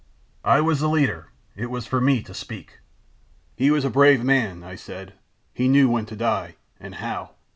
"I was the leader: it was for me to speak. "'He was a brave man,' I said—'he knew when to die, and how.